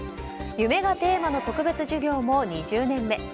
夢がテーマの特別授業も２０年目。